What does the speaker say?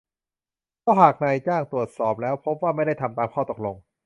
เพราะหากนายจ้างตรวจสอบแล้วพบว่าไม่ได้ทำตามข้อตกลง